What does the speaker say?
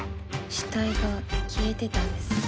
死体が消えてたんです。